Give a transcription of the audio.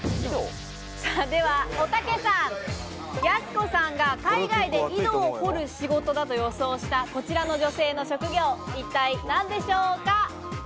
では、おたけさん、やす子さんが海外で井戸を掘る仕事だと予想したこちらの女性の職業、一体何でしょうか？